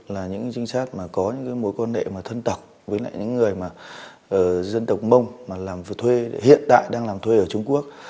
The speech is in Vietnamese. là những trinh sát mà có những mối quan hệ thân tộc với những người dân tộc mông hiện tại đang làm thuê ở trung quốc